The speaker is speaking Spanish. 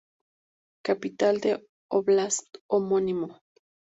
Capital del óblast homónimo.